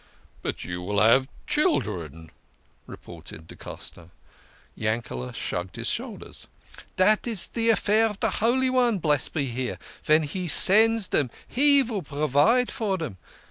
" But you will have children," retorted da Costa. Yankele shrugged his shoulders. " Dat is de affair of de Holy One, blessed be He. Yen He sends dem He vill provide for dem.